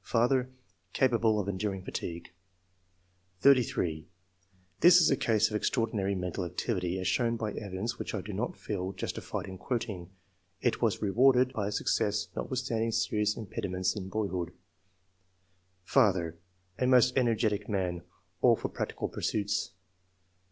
Father — Capable of enduring fatigue.^ 33. [This is a case of extraordinary mental activity, as shown by evidence which I do not feel justified in quoting. It was rewarded by II.] QUALITIES. 93 success, notwithstanding serious impediments in boyhood]. Father — A most energetic man ; all for practical pursuits.